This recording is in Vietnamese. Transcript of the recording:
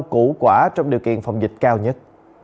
củ quả trong điều kiện phòng dịch cao nhất